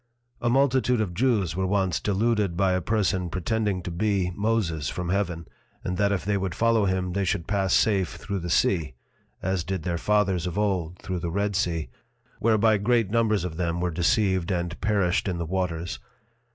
A multitude of Jews were once deluded by a Person pretending to be Moses from Heaven, and that if they would follow him they should pass safe through the Sea (as did their Fathers of old through the Red Sea) whereby great numbers of them were deceived and perished in the Waters.